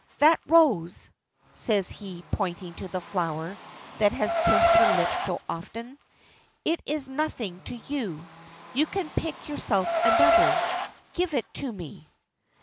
"That rose," says he, pointing to the flower that had kissed her lips so often. "It is nothing to you, you can pick yourself another, give it to me."